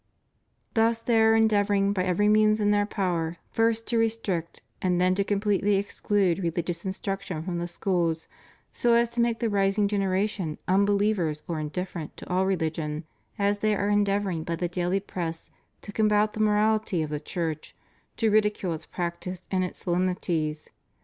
Thus they are endeavoring by every means in their power first to restrict and then to completely exclude religious instruction from the schools so as to make the rising generation unbelievers or indifferent to all reHgion ; as they are endeavoring by the daily press to combat the moraHty of the Church, to ridicule its practices and its solemnities.